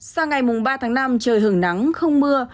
sau ngày mùa ba tháng năm trời hưởng nắng không mưa